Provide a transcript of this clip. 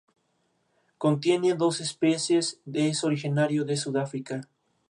Contiene dos especies.Es originario de Sudáfrica.